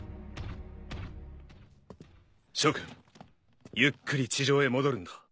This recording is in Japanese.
諸君ゆっくり地上へ戻るんだ。